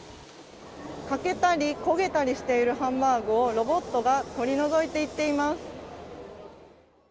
欠けたり焦げたりしているハンバーグをロボットが取り除いていっています。